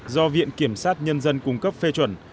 do viện kiểm sát nhân dân cung cấp phê chuẩn